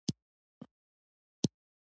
منی د افغانستان د طبیعت د ښکلا برخه ده.